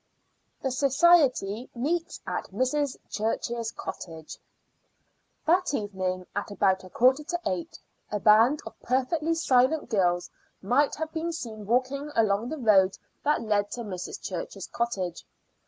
THE SOCIETY MEETS AT MRS. CHURCH'S COTTAGE. That evening at about a quarter to eight a band of perfectly silent girls might have been seen walking along the road that led to Mrs. Church's cottage.